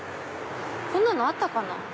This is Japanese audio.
こんなのあったかな？